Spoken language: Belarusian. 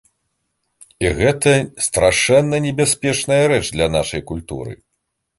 І гэта страшэнна небяспечная рэч для нашай культуры.